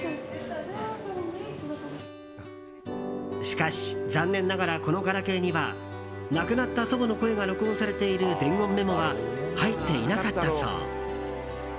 しかし、残念ながらこのガラケーには亡くなった祖母の声が録音されている伝言メモは入っていなかったそう。